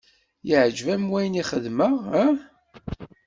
Yeɛǧb-am wayen i xedmeɣ ah?